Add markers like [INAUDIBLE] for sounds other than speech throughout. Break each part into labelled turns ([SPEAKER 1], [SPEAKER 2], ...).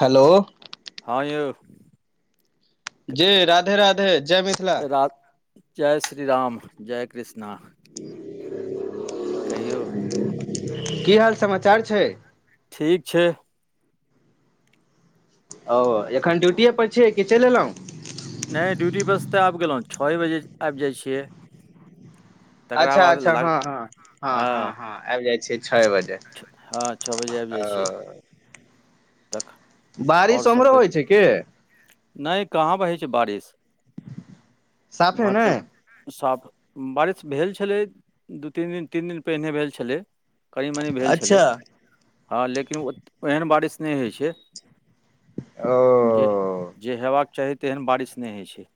[SPEAKER 1] Hello
[SPEAKER 2] हँ यौ
[SPEAKER 1] जी राधे राधे जय मिथिला
[SPEAKER 2] [UNINTELLIGIBLE] जय श्री राम जय कृष्णा
[SPEAKER 1] [INAUDIBLE]
[SPEAKER 2] कहियौ
[SPEAKER 1] की हाल समाचार छै
[SPEAKER 2] ठीक छै
[SPEAKER 1] ओ एखन ड्यूटीए पर छियै कि चलि एलहुँ
[SPEAKER 2] नहि ड्यूटी बस तऽ आबि गेलहुँ छए बजे आबि जाइ छियै तकरा
[SPEAKER 1] अच्छा
[SPEAKER 2] बाद
[SPEAKER 1] अच्छा
[SPEAKER 2] लग
[SPEAKER 1] हँ हँ हँ हँ हँ आबि जाइ छीये छए बजे
[SPEAKER 2] हँ छ बजे आबि जाइ छियै
[SPEAKER 1] ओ
[SPEAKER 2] तखन
[SPEAKER 1] बारिश आमहरो होइ छै की
[SPEAKER 2] नहि कहाँ पर होइ छै बारिश
[SPEAKER 1] साफे
[SPEAKER 2] इमर
[SPEAKER 1] नहि
[SPEAKER 2] तऽ साफ बारिश भेल छलै दू तीन दिन तीन दिन पहिने भेल छलै कनी मनी भेल छलै
[SPEAKER 1] अच्छा
[SPEAKER 2] हँ लेकिन ओहन बारिश नहि होइ छै
[SPEAKER 1] ओ
[SPEAKER 2] जे जे होयबाक चाही तेहन बारिश नहि होइ छै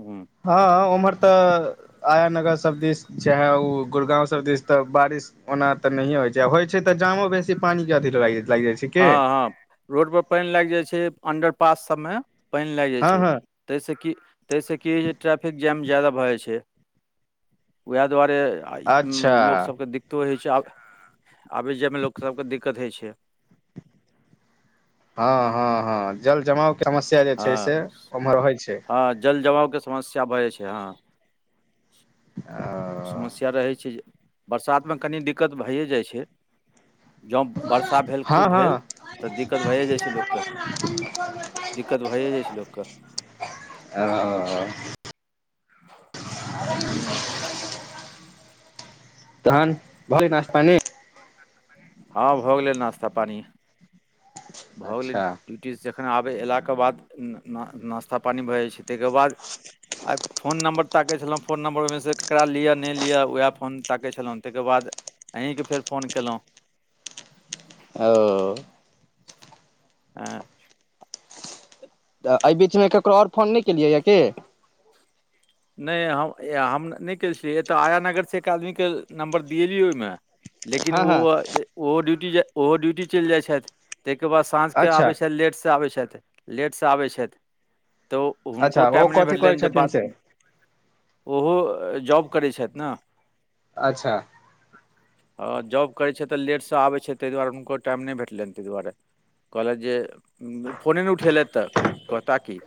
[SPEAKER 2] हू
[SPEAKER 1] हँ उम्हर तऽ आया नगर सब दिस चाहे ओ गुड़गाँव सब दिस तऽ बारिश ओना तऽ नहिय होइ छै होय छै तऽ जामो बेसी पानी के अथी लागि जाइ छै की
[SPEAKER 2] हँ हँ रोडपर पानि लागि जाइ छै अंडर पास सभमे पानि लागि जाइ
[SPEAKER 1] हँ
[SPEAKER 2] छै
[SPEAKER 1] हँ
[SPEAKER 2] ताहिसँ कि ताहिसँ की हो ट्रैफिक जाम ज्यादा भऽ जाइ छै वएह दुआरे आ
[SPEAKER 1] अच्छा
[SPEAKER 2] लोक सबके दिक्कतो होइ छै आब आबै जाइमे लोक सबके दिक्कत होइ छै
[SPEAKER 1] हँ हँ हँ जल जमाव के समस्या जे छै
[SPEAKER 2] हँ
[SPEAKER 1] से उमहर रहैत छै
[SPEAKER 2] हँ जल जमावके समस्या भऽ जाय छै ह
[SPEAKER 1] आ
[SPEAKER 2] समस्या रहै छै जे बरसातमे कनि दिक्कत भइए जाइ छै जँ वर्षा भेल
[SPEAKER 1] हँ
[SPEAKER 2] खूब
[SPEAKER 1] हँ
[SPEAKER 2] भेल तऽ दिक्कत भइए जाइ छै लोककेँ दिक्कत भएए जाइ छै लोकके
[SPEAKER 1] आ [INAUDIBLE]
[SPEAKER 2] हूँ
[SPEAKER 1] तहन भले नश्ता पानी
[SPEAKER 2] हँ भऽ गेलै नास्ता पानि भऽ गेलै
[SPEAKER 1] अच्छा
[SPEAKER 2] ड्यूटी से जखन आबे एयलाक के बाद नास्ता पानी भए जाइ छै ताहिके बाद आइ फोन नम्बर ताके छलहुँ फोन नम्बर ओमेसँ ककरा लिअ नहि लिअ उएह फोन ताकै छलहुँ ताहिके बाद अहींके फेर फोन केलहुँ
[SPEAKER 1] ओ
[SPEAKER 2] [UNINTELLIGIBLE]
[SPEAKER 1] तऽ एहि बीचमे ककरो आओर फोन नहि केलियैए कि
[SPEAKER 2] नहि हम हम नहि कने छियै एतऽ आया नगरसँ एक आदमीके नम्बर दिेलियै ओहिमे लेकिन
[SPEAKER 1] हँ
[SPEAKER 2] ओ
[SPEAKER 1] हँ
[SPEAKER 2] ओहो ड्यूटी ओहो ड्यूटी चलि जाइ छथि ताहिके बाद साँझके
[SPEAKER 1] अच्छा
[SPEAKER 2] आबै छथि लेटसँ आबै छथि लेटसँ आबै छथि तऽ हुनको
[SPEAKER 1] अच्छा ओ
[SPEAKER 2] टाइम नहि
[SPEAKER 1] कथी कहै
[SPEAKER 2] भेलेटनि जे
[SPEAKER 1] छथिन
[SPEAKER 2] बात
[SPEAKER 1] से
[SPEAKER 2] ओहो जॉब करै छथि नऽ
[SPEAKER 1] अच्छा
[SPEAKER 2] हँ जॉब करैत छै तऽ लेटसँ आबैत छै ताहि दुआरे हुनको टाइम नहि भेटलनि ताहि दुआरे कहलथि जे फोने नहि उठेलथि तऽ कहता की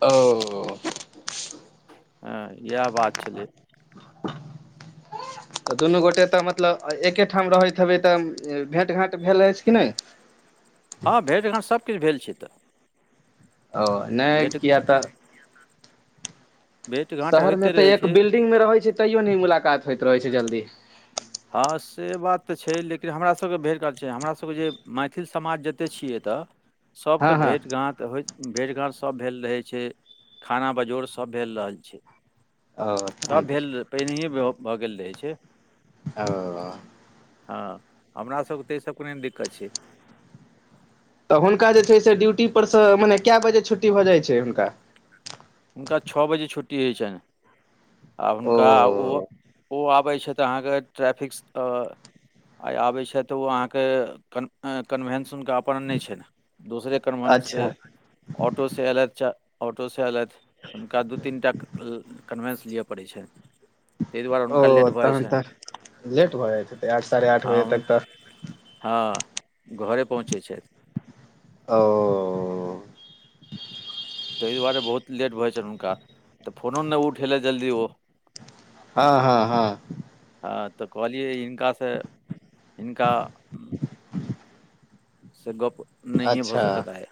[SPEAKER 1] ओ
[SPEAKER 2] हँ इएह बात छलैय
[SPEAKER 1] तऽ दुनू गोटे तऽ मतलब एके ठाम रहैत हेबै तऽ भेँट घाँट भेल अछि कि नहि
[SPEAKER 2] हँ भेट घाट सभकिछु भेल छै तऽ
[SPEAKER 1] ओ नहि
[SPEAKER 2] भेँट
[SPEAKER 1] किया तऽ
[SPEAKER 2] भेँट घाँट
[SPEAKER 1] शहर मे
[SPEAKER 2] होइते
[SPEAKER 1] तऽ
[SPEAKER 2] रहै
[SPEAKER 1] एक
[SPEAKER 2] छै
[SPEAKER 1] बिल्डिंग मे रहैत छै तैयो नहि मुलाकात होइत रहै छै जल्दी
[SPEAKER 2] हँ से बात तऽ छै लेकिन हमरासभके भरि गात छै हमरासभके जे मैथिल समाज जतेक छि यैतय सबके
[SPEAKER 1] हँ हँ
[SPEAKER 2] भेंट गाँट त होइते भेट घाँट सब भेल रहै छै खाना बजौड़ सब भेल रहल छै
[SPEAKER 1] ओ तहन
[SPEAKER 2] सब
[SPEAKER 1] तऽ
[SPEAKER 2] भेल पहिनए भऽ गेल रहै छै
[SPEAKER 1] ओ
[SPEAKER 2] हँ हमरा सभके तऽ ई सब के नेय दिक्कत छै
[SPEAKER 1] तऽ हुनका जे छै से ड्यूटीपर सँ मने कए बजे छुट्टी भऽ जाइत छै हुनका
[SPEAKER 2] हुनक छओ बजे छुटी हो छनि आ हुनका ओ ओ आबै छथिऽ अहाँके ट्रैफिक आए आबै छथि तऽ ओ अहाँके कन्भेन्सन हुनका अपन नहि छै ने दूसरे कन्वेंस
[SPEAKER 1] अच्छा
[SPEAKER 2] से ऑटो से ऐलैथ च ऑटो से ऐलैथ हुनका दू तीन टा कन्वेन्स लिअ पड़ैत छैन
[SPEAKER 1] ओ तहन तऽ लेट भऽ जाइतेे आठ साढ़े आठ
[SPEAKER 2] हँ
[SPEAKER 1] बजे
[SPEAKER 2] हुन-
[SPEAKER 1] तक तऽ
[SPEAKER 2] हँ [INAUDIBLE] घरे पहुँचैत छैथ
[SPEAKER 1] [UNINTELLIGIBLE]
[SPEAKER 2] ताहि दुआरे बहुत लेट भऽइ छनि हुनका तऽ फोनो नहि उठेलनि जल्दी ओ
[SPEAKER 1] हँ हँ हँ
[SPEAKER 2] हँ तऽ कहलिए हिनकासँ [INAUDIBLE] हिनका
[SPEAKER 1] [UNINTELLIGIBLE]
[SPEAKER 2] से गप नहि भ
[SPEAKER 1] अच्छा
[SPEAKER 2] सकतय आए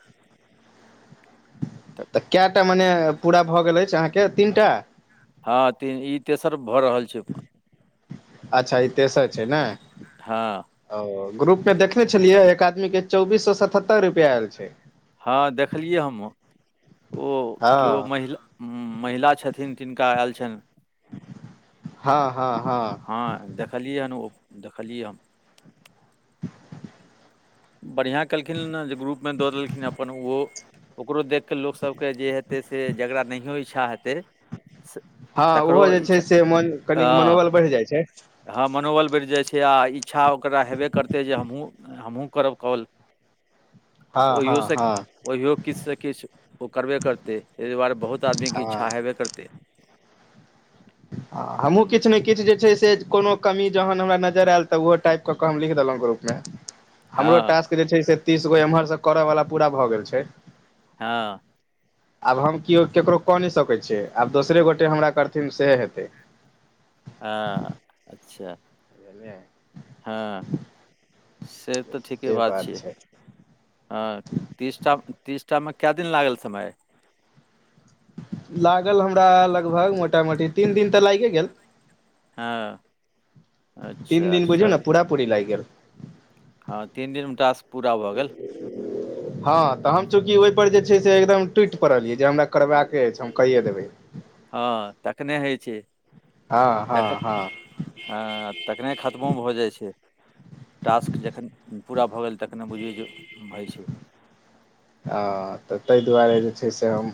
[SPEAKER 1] तऽ कैएटा मने पूरा भऽ गेल अछि अहाँके तीन टा
[SPEAKER 2] हँ ती ई तेसर भऽ रहल छै
[SPEAKER 1] अच्छा ई तेसर छै नाए
[SPEAKER 2] हँ
[SPEAKER 1] ओ ग्रुप में देखने छलियै एक आदमी के चौबीस सौ सतहत्तर रुपआ आयल छै
[SPEAKER 2] हँ देखलियै हमहूँ [INAUDIBLE] ओ
[SPEAKER 1] हँ
[SPEAKER 2] केओ महिला हू महिला छथिन तिनका आयल छनि
[SPEAKER 1] [INAUDIBLE] हँ हँ हँ
[SPEAKER 2] हँ देखलियै हन ओ देखलियै हम
[SPEAKER 1] [INAUDIBLE]
[SPEAKER 2] बढ़िआँ केलखिन ने जे ग्रुप मे दऽ देलखिन अपन ओहो ओकरो देख कऽ लोक सभ के जे हेतै से जकड़रा नहियो इच्छा हेतै
[SPEAKER 1] हँ
[SPEAKER 2] तकरो
[SPEAKER 1] ओहो जे छै
[SPEAKER 2] इच्छा
[SPEAKER 1] से मन कनि
[SPEAKER 2] हँ
[SPEAKER 1] मनोबल बढ़ि जाइ छै
[SPEAKER 2] हँ मनोबल बढ़ि जाइत छै आ इच्छा ओकरा हेबे करतै जे हमहूँ हमहूँ करब कॉल
[SPEAKER 1] हँ हँ हँ
[SPEAKER 2] ओहिओ किछ से किछ ओ करबे करतै ताहि दुआरे बहुत आदमीके
[SPEAKER 1] हँ
[SPEAKER 2] इच्छा हेबे करतै
[SPEAKER 1] [INAUDIBLE] हमहुँ
[SPEAKER 2] हुँ,
[SPEAKER 1] किछ नहि किछ जे छै से कोनो कमी जहन हमरा नजर आयल तऽ ओहो टाइप कऽ केऽ हम लिख देलहुँ ग्रुपमे हमरो
[SPEAKER 2] हँ
[SPEAKER 1] टास्क जे छै से तीस गो एम्हरसँ करयवला पूरा भऽ गेल छै
[SPEAKER 2] हँ
[SPEAKER 1] आब हम केओ ककरो कऽ नहि सकैत छियै आब दोसरे गोटे हमरा करथिन सेह हेतै
[SPEAKER 2] हँ [INAUDIBLE] अच्छा
[SPEAKER 1] [UNINTELLIGIBLE]
[SPEAKER 2] हँ [INAUDIBLE] से तऽ ठीके
[SPEAKER 1] से
[SPEAKER 2] बात छियै
[SPEAKER 1] छै
[SPEAKER 2] हँ ती तीसटा मे केए दिन लागल समय
[SPEAKER 1] लागल हमरा लगभग मोटा मोटी तीन दिन तऽ लागिये गेल
[SPEAKER 2] हँ
[SPEAKER 1] तीन
[SPEAKER 2] अच्छा
[SPEAKER 1] दिन बुझियौ ने
[SPEAKER 2] चलू
[SPEAKER 1] पूरा पूरी लागि गेल [INAUDIBLE]
[SPEAKER 2] हँ तीन दिन मे टास्क पूरा भऽ गेल
[SPEAKER 1] [UNINTELLIGIBLE] हँ तऽ हम चूँकि ओहि पर जे छै से एकदम टूटि पड़लियै जे हमरा करबाक अछि हम कहियए देबै
[SPEAKER 2] हँ तखने होइ छै
[SPEAKER 1] हँ
[SPEAKER 2] [INAUDIBLE]
[SPEAKER 1] हँ
[SPEAKER 2] तखन
[SPEAKER 1] हँ
[SPEAKER 2] हँ तखने खत्मो भऽ जाए छै टास्क जखन पूरा भऽ गेल तखने बुझियौ जे होइ छै,
[SPEAKER 1] ह तऽ तै दुआरे जे छै से हम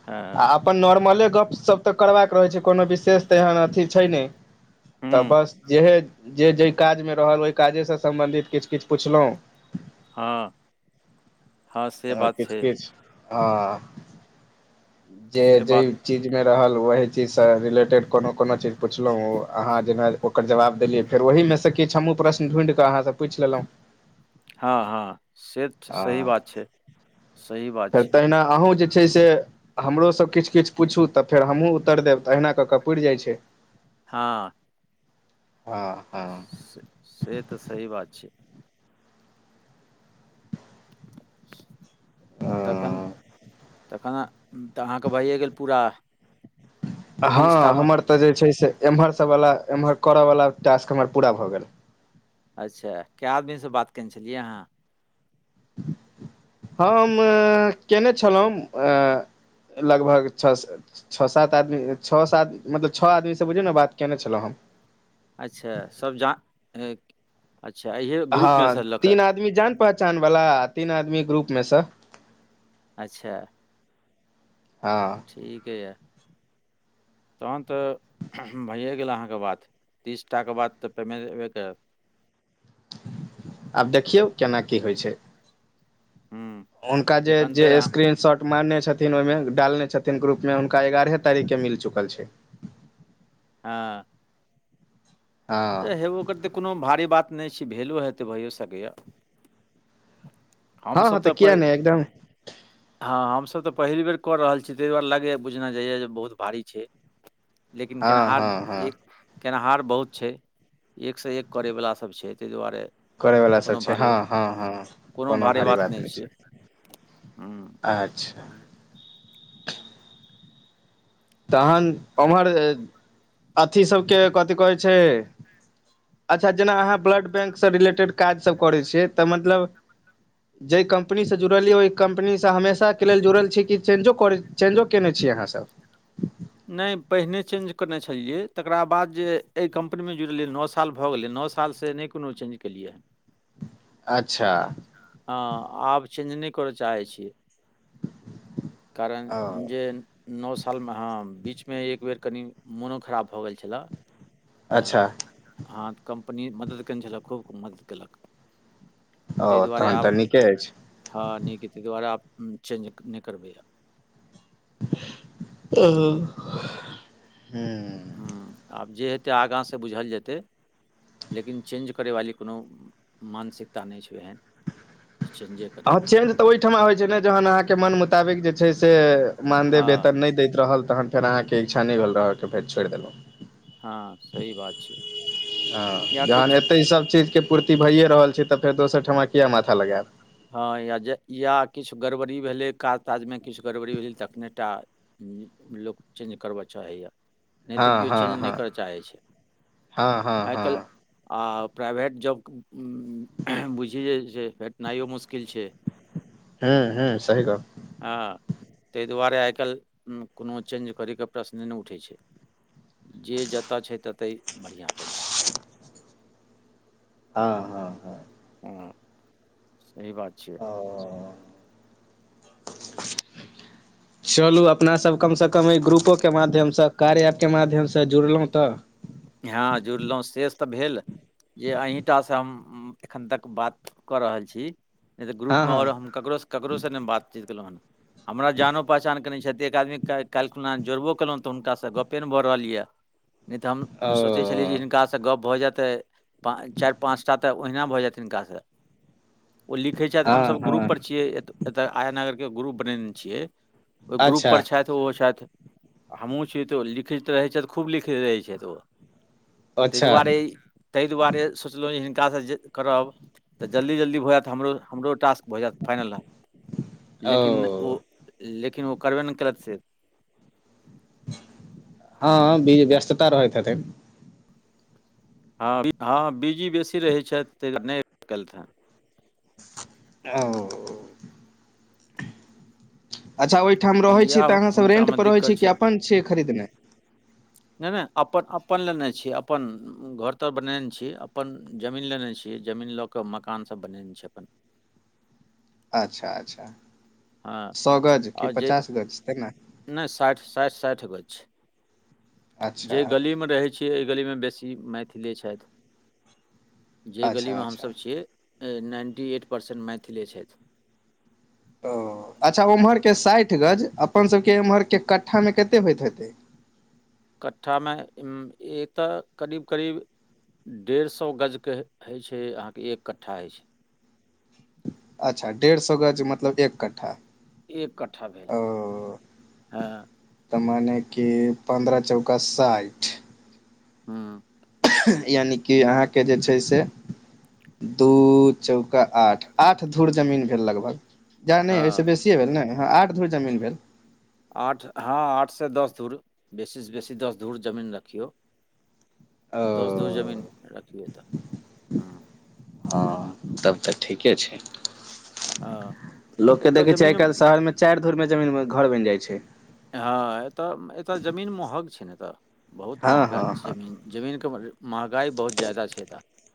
[SPEAKER 2] हँ
[SPEAKER 1] आ अपन नॉर्मले गप-सप तऽ करबाक रहै छै, कोनो विशेष तऽ एहन अथि छै नइॅं तऽ
[SPEAKER 2] हूँ
[SPEAKER 1] बस जेहे जे जाहि काजमे रहल ओहि काजेसे सम्बन्धित किछु-किछु पुछलहुँ
[SPEAKER 2] हँ हँ से
[SPEAKER 1] ह
[SPEAKER 2] बात छै
[SPEAKER 1] किछु-किछु, ह जे
[SPEAKER 2] से
[SPEAKER 1] जै
[SPEAKER 2] बात
[SPEAKER 1] चीजमे रहल ओहि चीजसँ रिलेटेड कोनो-कोनो चीज पुछलहुँ ओ अहाँ जेना ओकर जवाब देलियै फेर ओहिमे सॅं किछ हमहूँ प्रश्न ढूॅंढिककऽ अहाँसँ पूछि लेलहुँ।
[SPEAKER 2] हँ हँ से तऽ सही बात छै। सही बात
[SPEAKER 1] तॅं
[SPEAKER 2] छै
[SPEAKER 1] तहिना अहूँ जे छै से हमरो सभ किछु-किछु पूछू तऽ फेर हमहूँ उतर देब तऽ अहिना कऽ कऽ पुरि जाइत छै
[SPEAKER 2] हँ
[SPEAKER 1] हँ, हँ
[SPEAKER 2] से, से तऽ सही बात छै! तखन, तखन तऽ अहाँके भइये गेल पूरा
[SPEAKER 1] हँ,
[SPEAKER 2] तीसटामे
[SPEAKER 1] हमर तऽ जे छै से, एम्हर सभवला एम्हर करयवला टास्क हमर पूरा भऽ गेल।
[SPEAKER 2] अच्छा कए आदमीसे बात केयने छलियै अहाँ? [INAUDIBLE]
[SPEAKER 1] हम कयने छलहुँ लगभग छ्हसे- छओ सात आदमी छओ सात मतलब छओ आदमीसे बुझियौ ने बात केयने छलहुँ हम।
[SPEAKER 2] अच्छा सब जा अच्छा इहे ग्रुप मे
[SPEAKER 1] हँ
[SPEAKER 2] सॅं लऽ कऽ?
[SPEAKER 1] [UNINTELLIGIBLE] आदमी जान पहचान वला आ तीन आदमी ग्रुपमे सॅं
[SPEAKER 2] अच्छा,
[SPEAKER 1] हँ
[SPEAKER 2] ठीक यए तहन तऽ भैये गेल अहाँकेॅं बात, तीस टाके बात तऽ पेमेन्ट अयबे करत।
[SPEAKER 1] आब देखियौ केना की होइ छै?
[SPEAKER 2] हूँ,
[SPEAKER 1] हुनका जे
[SPEAKER 2] एखन
[SPEAKER 1] जे
[SPEAKER 2] तऽ अहाँ-
[SPEAKER 1] स्क्रीन-शॉट मानने छथिन ओहिमे, डालने छथिन ग्रुपमे हुनका एगारहे तारीखके मिल चुकल छै।
[SPEAKER 2] हँ
[SPEAKER 1] हँ
[SPEAKER 2] तऽ हेबो करतै तऽ कोनो भारी बात नहि छै, भेलो हेतै भैयओ सकैए हम
[SPEAKER 1] हँ हँ
[SPEAKER 2] सभ तऽ
[SPEAKER 1] किया
[SPEAKER 2] पइ-
[SPEAKER 1] नहि एकदम
[SPEAKER 2] हँ हम सभ तऽ पहिल बेर कऽ रहल छी तै दुआरे लागैए बुझना जाइए जे बहुत भारी छै! लेकिन
[SPEAKER 1] हँ
[SPEAKER 2] केनहार,
[SPEAKER 1] हँ हँ
[SPEAKER 2] एक केनिहार बहुत छै, एकसँ एक करैवला सभ छै ताहि दुआरे
[SPEAKER 1] करयवला सब
[SPEAKER 2] कोनो
[SPEAKER 1] छै,
[SPEAKER 2] भारी
[SPEAKER 1] हँ, हँ हँ कोनो भारी बात नहि छै,
[SPEAKER 2] हूँ
[SPEAKER 1] अच्छा तहन ओम्हर, अथी सबके कथी कहैत छै अच्छा जेना अहाँ ब्लड बैंकसँ रिलेटेड काज सभ करै छियै तऽ मतलब
[SPEAKER 2] [INAUDIBLE]
[SPEAKER 1] जै कम्पनीसँ जुड़लियै ओहि कम्पनीसँ हमेशाके लेल जुड़ल छियै कि चेंजो, चेंजो कयने छी अहाँ सभ?
[SPEAKER 2] नहि पहिने चेंज करने छलियै, तकरा बाद जे एहि कम्पनीमे जुड़लियै नओ साल भए गेलै, नओ साल सालसे नहि कोनो चेंज केलियैहेॅं।
[SPEAKER 1] अच्छा
[SPEAKER 2] हँ आब चेंज नहि कर चाहै छियै कारण
[SPEAKER 1] ओ
[SPEAKER 2] जे नौ सालमे हँ बीचमे एक बेर कनि मोनो खराब भऽ गेल छलए तऽ
[SPEAKER 1] अच्छा
[SPEAKER 2] अहाँक कम्पनी मदति कयने छलय खूब मदति कयलक ताहि
[SPEAKER 1] ओ
[SPEAKER 2] दुआरे
[SPEAKER 1] तहन तऽ
[SPEAKER 2] आब
[SPEAKER 1] नीके अछि
[SPEAKER 2] हँ नीक हइ ताहि दुआरे आब चेंज नहि करबै आब
[SPEAKER 1] ओ हूंम्म
[SPEAKER 2] ह्मँ आब जे हेतै आगाँ से बुझल जेतै लेकिन चेंज करय वाली कोनो मानसिकता नहि छै एहन की चेंजे करू
[SPEAKER 1] हँ चेंज तऽ ओहिठमा होइ छै ने जहन अहाँके मन मुताबिक जे छै से मानदे देत
[SPEAKER 2] हँ
[SPEAKER 1] तऽ नहि दैत रहल तहन फेर अहाँके इच्छा नहि भेल रहके फेर छोड़ि देलहुँ
[SPEAKER 2] हँ सही बात छै
[SPEAKER 1] हँ
[SPEAKER 2] या
[SPEAKER 1] जहन
[SPEAKER 2] किछु
[SPEAKER 1] एतै ई सभचीजके पूर्ति भइए रहल छै तऽ फेर दोसर ठमा किये माथा लगायब
[SPEAKER 2] हँ या जे या किछु गड़बड़ी भेलै काज ताजमे किछु गड़बड़ी भेलै तखने टा लोक चेंज करबय चाहैए नहि तऽ
[SPEAKER 1] हँ
[SPEAKER 2] केओ चेंज
[SPEAKER 1] हँ
[SPEAKER 2] नहि
[SPEAKER 1] हँ
[SPEAKER 2] करय चाहै छै
[SPEAKER 1] हँ हँ
[SPEAKER 2] आइ
[SPEAKER 1] हँ
[SPEAKER 2] काल्हि आओ प्राइभेट जॉब बुझि जे सेे ओनाहियो मुश्किल छै
[SPEAKER 1] हँ हँ सही गप्प
[SPEAKER 2] हँ ताहि दुआरे आइ काल्हि कोनो चेंज करैके प्रश्ने नहि उठै छै जे जतऽ छै ततहि बढ़ियाँ अपन छै
[SPEAKER 1] हँ हँ हँ
[SPEAKER 2] हँ सही बात छियै
[SPEAKER 1] ओ चलू अपना सब कमसँ कम एहि ग्रुपोके माध्यमसँ कार्य आपके माध्यमसँ जुड़लहुँ तऽ
[SPEAKER 2] हँ जुड़लहुँ सेेष तऽ भेल जे अहींटासँ हम एखन तक बात कऽ रहल छी नहि तऽ
[SPEAKER 1] हँ
[SPEAKER 2] ग्रुपमे आओर
[SPEAKER 1] हँ
[SPEAKER 2] हम ककरोसँ ककरोसँ नहि बातचीत केलहुँ हन हमरा जानो पहचान के नहि छथि एक आदमीे काल्हिखुना जोड़बो केलहुँ तऽ हुनकासँ गपे नहि भऽ रहल यऽ नहि तऽ हम सोचै छलियै जे
[SPEAKER 1] ओ
[SPEAKER 2] हिनकासँ गप्प भऽ जायतै पा चारि पाँच टा तऽ ओहिना भऽ जायत हिनकासँ ओ लिखै छथि
[SPEAKER 1] हँ
[SPEAKER 2] हमसभ
[SPEAKER 1] हँ
[SPEAKER 2] ग्रुपर छियै एत एतय आया नगरके ग्रुप बनेने छियै ओहि
[SPEAKER 1] अच्छा
[SPEAKER 2] ग्रुपपर छथि ओहो छथि हमहूँ छी तऽ ओ लिखैत रहै छथि खूब लिखैत रहै छथि ओ ताहि
[SPEAKER 1] अच्छा
[SPEAKER 2] दुआरे ताहि दुआरे सोचलहुँ जे हिनकासँ जे करब तऽ जल्दी जल्दी भ जातरो हमरो टास्क भऽ जायत फाइनल लेकिन ओ लेकिन ओ करबे नहि करत से
[SPEAKER 1] हँ व्यस्तता रहैत हेतैन
[SPEAKER 2] हँ हँ बिजी बेसी रहैत छथि तँ नहि केलथि हे
[SPEAKER 1] ओ अच्छा ओहि ठाम रहै छी
[SPEAKER 2] इएह
[SPEAKER 1] तऽ अहाँ सब रेंट
[SPEAKER 2] हुनकामे
[SPEAKER 1] पर रहे छी
[SPEAKER 2] दिक्कत
[SPEAKER 1] कि
[SPEAKER 2] छै
[SPEAKER 1] अपन छियै खरीदने
[SPEAKER 2] नहि ने अपन अपन लेने छी अपन घर तर बनेने छी अपन जमीन लेने छी जमीन लऽ केऽ मकान सब बनेने छियै अपन
[SPEAKER 1] अच्छा अच्छा
[SPEAKER 2] हँ
[SPEAKER 1] सौ गज कि
[SPEAKER 2] आओर जे
[SPEAKER 1] पचास गज तेना
[SPEAKER 2] नहि साठि साठि साठि गज छै जे
[SPEAKER 1] अच्छा
[SPEAKER 2] गलीमे रहै छियै एहि गलीमे बेसी मैथिलीये छथि जे
[SPEAKER 1] अच्छा
[SPEAKER 2] गलीमे
[SPEAKER 1] अच्छा
[SPEAKER 2] हमसभ छियै नाइन्टी एट परसेन्ट मैथिली छथि
[SPEAKER 1] ओ अच्छा ओम्हरके साठि गज अपन सभके एम्हरके कट्ठामे कतेक होइत हेतै
[SPEAKER 2] कट्ठामे एतय करीब करीब डेढ़ सए गजके होइ छै अहाँके एक कट्ठा होइ छै
[SPEAKER 1] अच्छा डेढ़ सए गज मतलब एक कठ्ठा
[SPEAKER 2] एक कठ्ठा भेल हँ
[SPEAKER 1] तऽ माने की पन्द्रह चौका साठि
[SPEAKER 2] हू
[SPEAKER 1] यानििकि अहाँके जे छै से दू चौका आठ आठ धूुर जमीन भेल लगभग ज नहि
[SPEAKER 2] हँ
[SPEAKER 1] एहिहि से बेसीए भेल नहिँ आठ धूर जमीन भेल
[SPEAKER 2] आठ हँ आठसँ दस धूर बेसीसँ बेसी दस धूर जमीन रखियौ दस घूर जमीन
[SPEAKER 1] ओ
[SPEAKER 2] रखीहए तऽ हू
[SPEAKER 1] हँ तब तऽ ठीके छै
[SPEAKER 2] हँ
[SPEAKER 1] लोकके
[SPEAKER 2] एतय
[SPEAKER 1] देखै छियै आइ
[SPEAKER 2] जमीन
[SPEAKER 1] काल्हि शहर मे चारि धूर मे जमीन मऽ घर बनि जाइ छै
[SPEAKER 2] हँ एतय एतय जमीन महग छै ने एतय बहुत
[SPEAKER 1] हँ
[SPEAKER 2] महगा
[SPEAKER 1] हँ
[SPEAKER 2] सऽ
[SPEAKER 1] हँ
[SPEAKER 2] जमीन जमीनके महगाइ बहुत ज्यदा छै अतय